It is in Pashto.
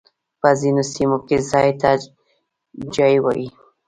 په ځينو سيمو کي ځای ته جای وايي.